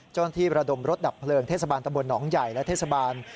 เจ้าหน้าที่ประดมรถดับเพลิงเทศบาลตะบนหนองใหญ่และเทศบาล